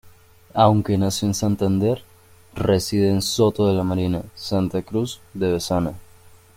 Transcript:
Aunque nació en Santander, reside en Soto de la Marina, Santa Cruz de Bezana.